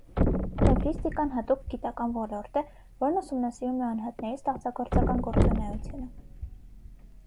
Էվրիստիկան հատուկ գիտական ոլորտ է, որն ուսումնասիրում է անհատների ստեղծագործական գործունեությունը։